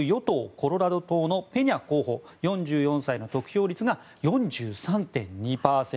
コロラド党のペニャ候補、４４歳の得票率が４３．２％。